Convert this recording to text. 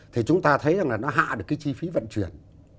thì chúng ta thấy rằng là nó hạ được cái chi phí vận chuyển